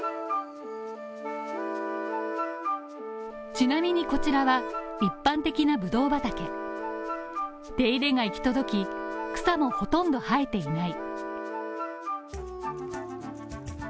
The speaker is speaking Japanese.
ちなみにこちらは一般的なブドウ畑手入れが行き届き草もほとんど生えていない。